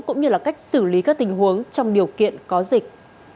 cũng như là cách xử lý các tình huống trong điều kiện có dịch